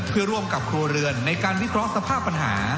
เพื่อร่วมกับครัวเรือนในการวิเคราะห์สภาพปัญหา